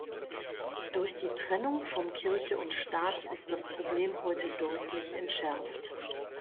Durch die Trennung von Kirche und Staat ist das Problem heute deutlich entschärft.